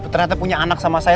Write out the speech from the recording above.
ternyata punya anak sama saya